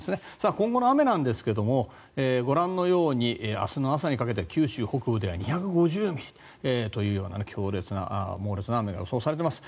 今後の雨なんですがご覧のように明日の朝にかけて九州北部では２５０ミリというような猛烈な雨が予想されています。